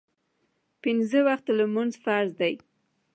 پنځه وخته لمونځ فرض ده